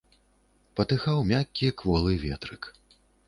Патыхаў мяккі, кволы ветрык.